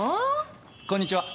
ここんにちは。